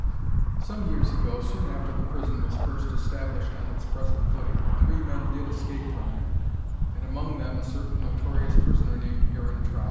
Some years ago, soon after the prison was first established on its present footing, three men did escape from it, and among them a certain notorious prisoner named Aaron Trow.